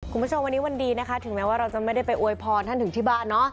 คุณผู้ชมวันนี้วันดีนะคะถึงแม้ว่าเราจะไม่ได้ไปอวยพรท่านถึงที่บ้านเนาะ